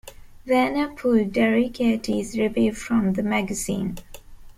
Wenner pulled DeRogatis' review from the magazine.